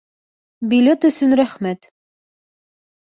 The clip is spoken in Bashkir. Билет өсөн рәхмәт